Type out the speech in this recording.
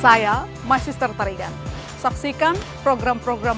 saya masih tertarikan saksikan program program